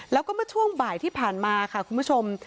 แล้วก็เมื่อช่วงบ่ายที่ผ่านมาค่ะคุณผู้ชม